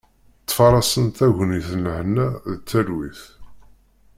Ttfarasen tagnit n lehna d talwit.